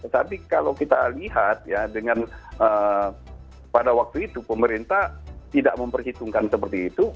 tapi kalau kita lihat ya dengan pada waktu itu pemerintah tidak memperhitungkan seperti itu